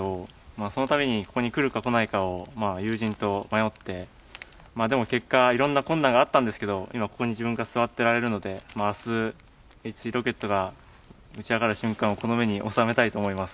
それで、ここに来るかどうかを友人と迷ってでも結果、いろんな困難があったんですが今、ここに自分が座ってられるので明日、Ｈ３ロケットが打ち上がる瞬間をこの目に収めたいと思います。